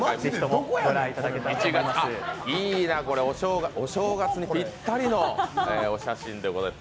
あ、いいな、お正月にぴったりのお写真でございます。